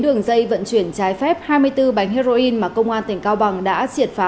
đường dây vận chuyển trái phép hai mươi bốn bánh heroin mà công an tỉnh cao bằng đã triệt phá